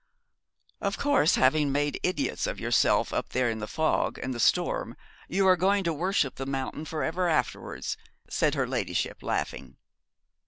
'Of course having made idiots of yourselves up there in the fog and the storm you are going to worship the mountain for ever afterwards,' said her ladyship laughing.